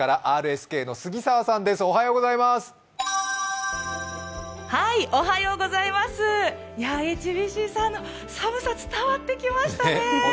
ＨＢＣさんの、寒さが伝わってきましたね。